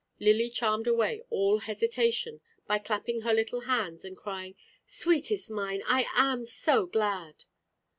Lily charmed away all hesitation, by clapping her little hands, and crying, "Sweetest mine, I am so glad."